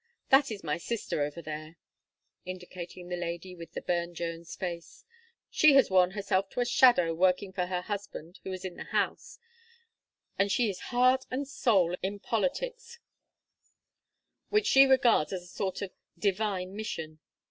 That is my sister over there," indicating the lady with the Burne Jones face. "She has worn herself to a shadow working for her husband, who is in the House, and she is heart and soul in politics which she regards as a sort of divine mission.